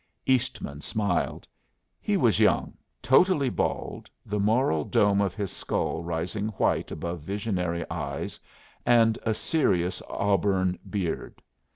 Eastman smiled. He was young, totally bald, the moral dome of his skull rising white above visionary eyes and a serious auburn beard.